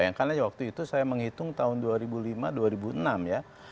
bayangkannya waktu itu saya menghitung tahun dua ribu lima dua ribu enam ya